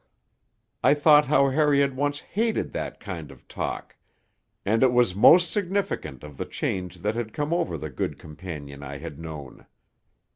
I thought how Harry had once hated that kind of talk, and it was most significant of the change that had come over the good companion I had known.